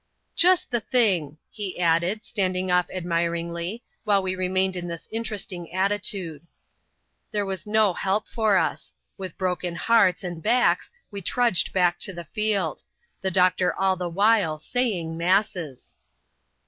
" Jist the thing !" he added, standing off admiringly, while we remained in this interesting attitude. There was no help for us ; with broken hearts and backs we trudged back t6 the field ; the doctor all the while saying masses.